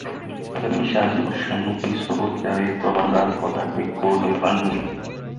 আগামিনী সা জীবন্মুক্তিস্তব হিতায় তবানুরাগদার্ঢ্যেনৈবানুমেয়া।